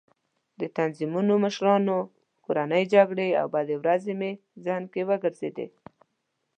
د تنظیمونو مشران، کورنۍ جګړې او بدې ورځې مې ذهن کې وګرځېدې.